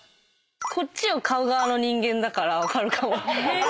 こっちを買う側の人間だから分かるかも。